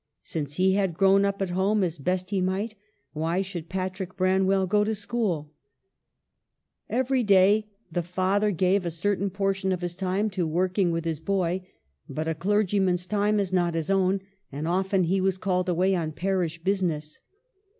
Since he had grown up at home as best he might, why should Patrick Branwell go to school ? Every day the father 60 EMILY BRONTE. gave a certain portion of his time to working with his boy ; but a clergyman's time is not his own, and often he was called away on parish business.